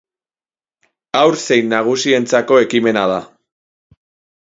Haur zein nagusientzako ekimena da.